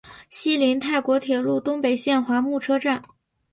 西邻泰国铁路东北线华目车站。